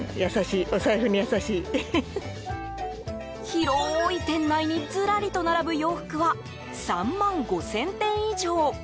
広い店内にずらりと並ぶ洋服は３万５０００点以上。